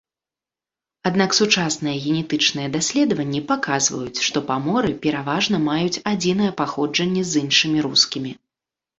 Аднак сучасныя генетычныя даследаванні паказваюць, што паморы пераважна маюць адзінае паходжанне з іншымі рускімі.